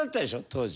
当時。